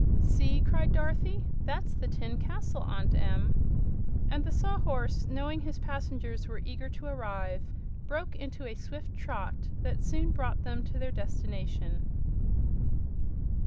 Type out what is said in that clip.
"See!" cried Dorothy; "that's the Tin Castle, Aunt Em!" And the Sawhorse, knowing his passengers were eager to arrive, broke into a swift trot that soon brought them to their destination.